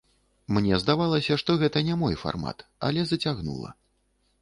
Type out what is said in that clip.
Мне здавалася, што гэта не мой фармат, але зацягнула.